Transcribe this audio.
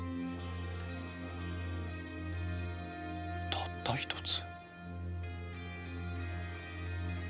たった一つ。